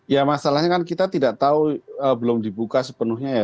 ya masalahnya kan kita tidak tahu belum dibuka sepenuhnya ya